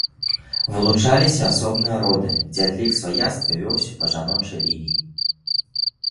Вылучаліся асобныя роды, дзе адлік сваяцтва вёўся па жаночай лініі.